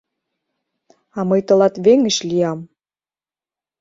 А мый тылат веҥыч лиям...